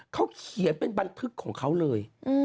เขาเขียนเป็นบันทึกของเขาเลย